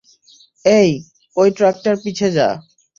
এই, ওই ট্রাকটার পিছে যা।